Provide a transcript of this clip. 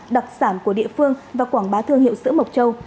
đặc sản của địa phương và quảng bá thương hiệu sữa mộc châu